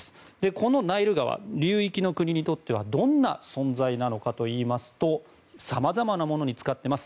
このナイル川流域の国にとってはどんな存在なのかといいますとさまざまなものに使っています。